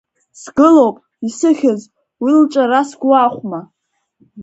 Сгылоуп, исыхьыз, уи лҿара сгәы ахәма?